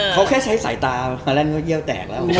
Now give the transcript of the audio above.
เขาแค่ใช้สายตามาเล่นก็เยี่ยวแตกแล้ว